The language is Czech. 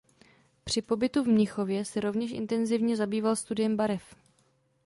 Při pobytu v Mnichově se rovněž intenzivně zabýval studiem barev.